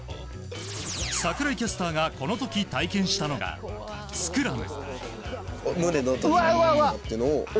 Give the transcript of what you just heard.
櫻井キャスターがこの時、体験したのがスクラム。